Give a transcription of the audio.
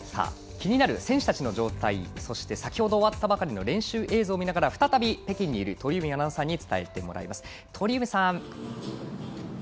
気になる選手たちの状態そして先ほど終わったばかりの練習映像を見ながら再び北京にいる鳥海アナウンサーに伝えてもらいます。